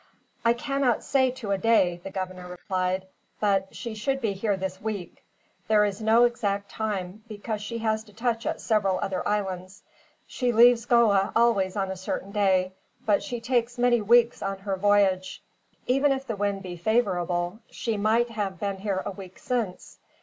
"I cannot say to a day," the governor replied; "but she should be here this week. There is no exact time, because she has to touch at several other islands. She leaves Goa always on a certain day; but she takes many weeks on her voyage, even if the wind be favorable She might have been here a week since.